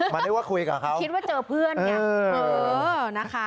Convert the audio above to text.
มันไม่ว่าคุยกับเขาคิดว่าเจอเพื่อนอย่างนั้น